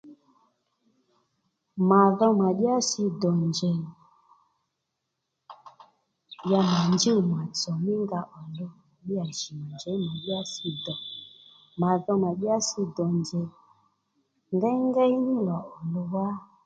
Mà dho mà dyási dò njèy ya mà njûw mà tsò mí nga òluw ddí à jì mà njěy mà nyási dò mà dho mà dyási dò njèy ngéyngéy ní lò òluw wá